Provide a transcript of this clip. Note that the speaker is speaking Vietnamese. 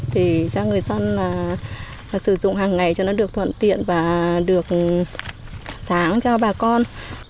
thì cho người dân sử dụng hàng ngày cho nó được thuận tiện và được sáng cho bà con